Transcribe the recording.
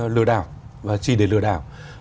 lừa đảo và chỉ để lừa đảo